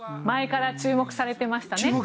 前から注目されてましたね。